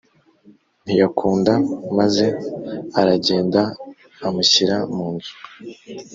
ntiyakunda maze aragenda amushyira mu nzu